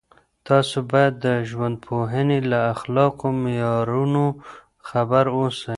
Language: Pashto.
تاسو باید د ژوندپوهنې له اخلاقي معیارونو خبر اوسئ.